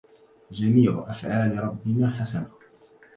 جميع أفعال ربنا حسنه